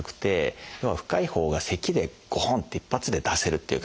要は深いほうがせきでゴホン！って一発で出せるっていうか。